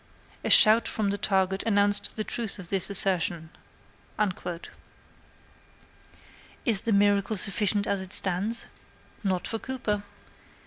"A shout from the target announced the truth of this assertion." Is the miracle sufficient as it stands? Not for Cooper.